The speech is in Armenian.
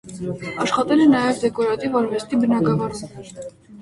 Աշխատել է նաև դեկորատիվ արվեստի բնագավառում։